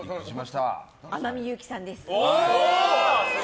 天海祐希さんです。